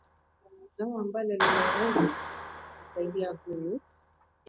zao ambalo linaweza likamsaidia huyu